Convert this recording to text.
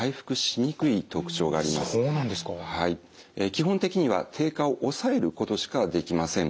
基本的には低下を抑えることしかできません。